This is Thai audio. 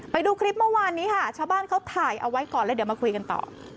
ไปดูคลิปเมื่อวานนี้ค่ะชาวบ้านเขาถ่ายเอาไว้ก่อนแล้วเดี๋ยวมาคุยกันต่อ